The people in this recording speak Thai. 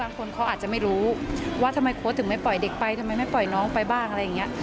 คนเขาอาจจะไม่รู้ว่าทำไมโค้ดถึงไม่ปล่อยเด็กไปทำไมไม่ปล่อยน้องไปบ้างอะไรอย่างนี้